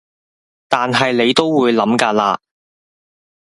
但你都係會諗㗎喇